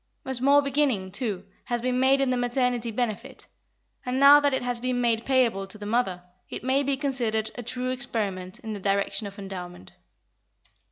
A small beginning, too, has been made in the maternity benefit, and now that it has been made payable to the mother, it may be considered a true experiment in the direction of endowment.